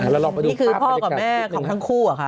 คือพ่อกับแม่ของทั้งคู่อะคะ